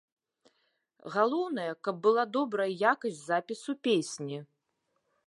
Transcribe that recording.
Галоўнае, каб была добрая якасць запісу песні.